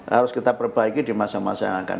harus kita perbaiki di masa masa yang akan